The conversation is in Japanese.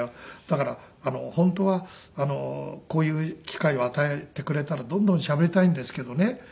だから本当はこういう機会を与えてくれたらどんどんしゃべりたいんですけどね